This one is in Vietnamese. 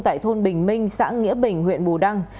tại thôn bình minh xã nghĩa bình huyện bù đăng